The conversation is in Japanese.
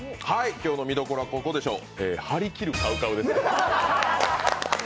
今日の見どころはここでしょう。